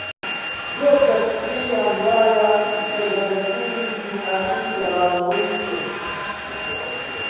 زۆر کەس پێیان وایە کە گەرمبوونی جیهانی گەڕانەوەی نییە.